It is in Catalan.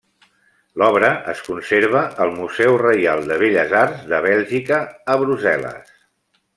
L'obra es conserva al Museu Reial de Belles Arts de Bèlgica, a Brussel·les.